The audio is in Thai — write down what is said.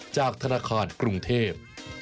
จากธนาคารกรุงเทพ